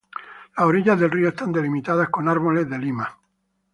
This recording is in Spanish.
Las orillas del río están delimitadas con árboles de lima.